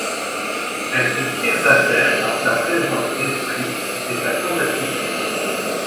Elle se tire d'affaire par sa présence d'esprit et sa combativité.